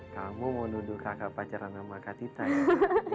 kamu mau nunduk kakak pacaran sama mbak tita ya